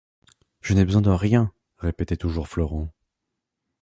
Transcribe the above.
Je n’ai besoin de rien, répétait toujours Florent.